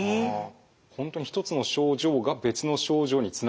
本当に一つの症状が別の症状につながって。